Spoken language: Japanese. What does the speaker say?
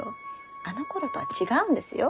あのころとは違うんですよ。